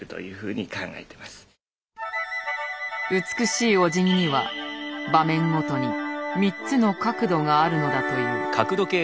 美しいおじぎには場面ごとに３つの角度があるのだという。